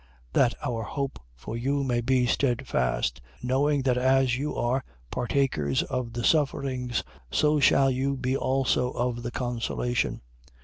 1:7. That our hope for you may be steadfast: knowing that as you are partakers of the sufferings, so shall you be also of the consolation.